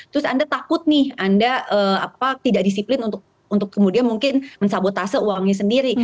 terus anda takut nih anda tidak disiplin untuk kemudian mungkin mensabotase uangnya sendiri